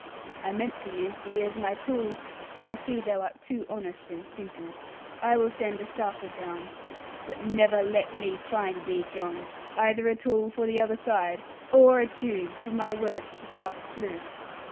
I meant to use thee as my tool; but I see thou art too honest and simple. I will send a sharper down; but never let me find thee, John, either a tool for the other side, or a tube for my words to pass through.'